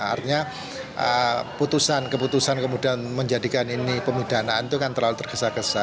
artinya putusan keputusan kemudian menjadikan ini pemidanaan itu kan terlalu tergesa gesa